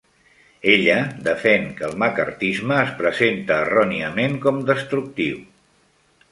Ella defèn que el Maccarthisme es presenta erròniament com destructiu.